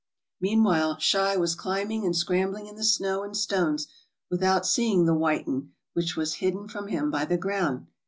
"Meanwhile Schei was climbing and scrambling in the snow and stones without seeing the 'white 'un,' which was hidden from him by the ground.